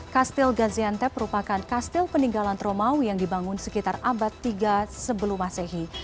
kastil gaziantep merupakan kastil peninggalan romawi yang dibangun sekitar abad tiga sebelum masehi